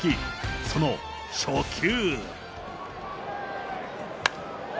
その初球。